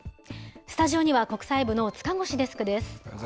スタジオには国際部の塚越デスクです。